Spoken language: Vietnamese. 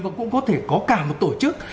và cũng có thể có cả một tổ chức